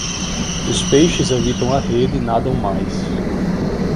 Os peixes evitam a rede e nadam mais.